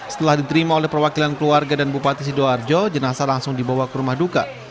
setelah diterima oleh perwakilan keluarga dan bupati sidoarjo jenazah langsung dibawa ke rumah duka